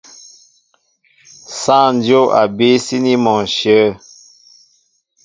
Sááŋ dyóp a bííy síní mɔ ǹshyə̂.